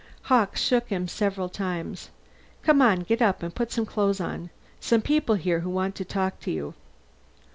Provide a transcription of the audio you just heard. Hawkes shook him several times. "Come on get up and put some clothes on. Some people here who want to talk to you."